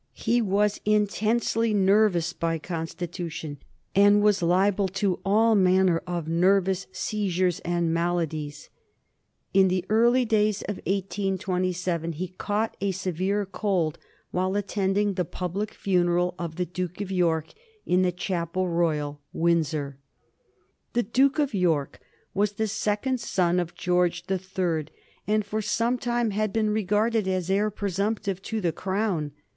He was intensely nervous by constitution, and was liable to all manner of nervous seizures and maladies. In the early days of 1827 he caught a severe cold while attending the public funeral of the Duke of York in the Chapel Royal, Windsor. [Sidenote: 1827 Death of Canning] The Duke of York was the second son of George the Third, and for some time had been regarded as heir presumptive to the crown.